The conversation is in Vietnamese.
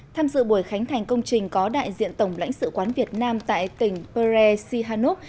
tham dự buổi khánh thành công trình có đại diện tổng lãnh sự quán việt nam tại tỉnh pre sihanov